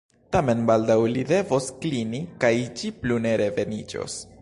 Tamen baldaŭ li devos klini, kaj ĝi plu ne releviĝos.